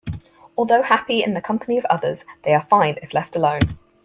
Although happy in the company of others, they are fine if left alone.